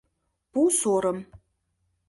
Пу сорым